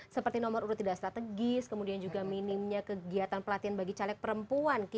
seperti nomor urut tidak strategis kemudian juga minimnya kegiatan pelatihan bagi caleg perempuan